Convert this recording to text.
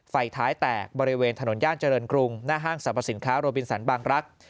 ไฟท้ายแตกบริเวณถนนย่านเจริญกรุงหน้าห้างสรรพสินค้าโรบินสันบางรักษ์